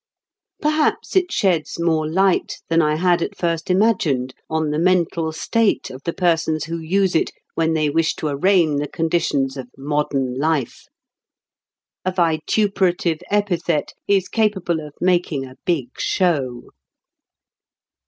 Perhaps it sheds more light than I had at first imagined on the mental state of the persons who use it when they wish to arraign the conditions of "modern life." A vituperative epithet is capable of making a big show.